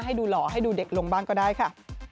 ให้ดูเด็กลงบ้างก็ได้ค่ะ